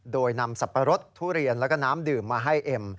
โดยนำสับปะรดทุเรียนแล้วก็น้ำดื่มมาให้เอ็ม